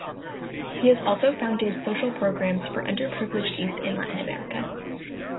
He has also founded social programs for underprivileged youth in Latin America.